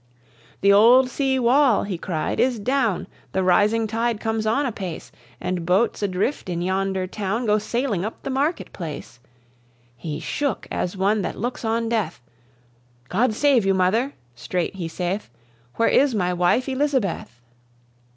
"The olde sea wall," he cried, "is downe, The rising tide comes on apace, And boats adrift in yonder towne Go sailing uppe the market place." He shook as one that looks on death: "God save you, mother!" straight he saith "Where is my wife, Elizabeth?"